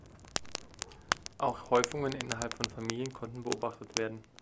Auch Häufungen innerhalb von Familien konnten beobachtet werden.